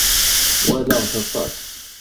Walaɣ-t aṭas.